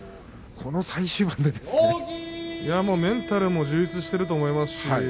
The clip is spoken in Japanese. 照ノ富士はメンタルも充実していると思います。